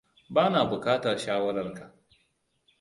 Bana buƙatar shawarar ka.